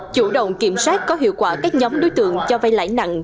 chủ động kiểm soát có hiệu quả các nhóm đối tượng cho vay lãi nặng